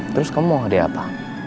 terus kamu mau hadiah apa